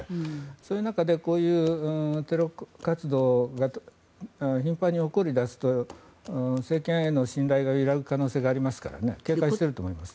そういう中でテロ活動が頻繁に起こり出すと政権への信頼が揺らぐ可能性がありますから警戒していると思いますね。